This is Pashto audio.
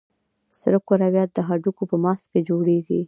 سره کرویات د هډوکو په مغز کې جوړېږي.